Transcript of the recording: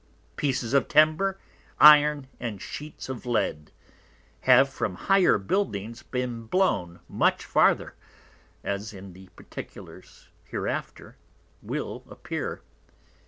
Pieces of Timber, Iron, and Sheets of Lead, have from higher Buildings been blown much farther; as in the Particulars hereafter will appear.